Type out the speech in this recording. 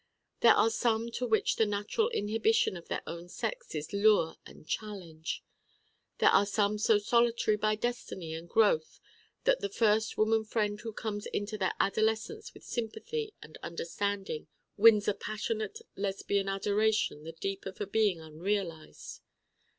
There are some to which the natural inhibition of their own sex is lure and challenge. There are some so solitary by destiny and growth that the first woman friend who comes into their adolescence with sympathy and understanding wins a passionate Lesbian adoration the deeper for being unrealized.